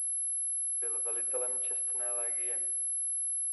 Byl velitelem čestné legie.